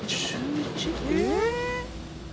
え！